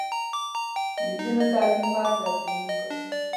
د نجونو تعلیم فرض او دیني حکم دی.